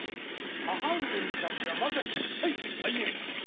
母上にいたってはまさに才女才媛。